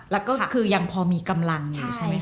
แล้วก็คือยังพอมีกำลังอยู่ใช่ไหมค